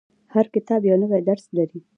• هر کتاب یو نوی درس لري.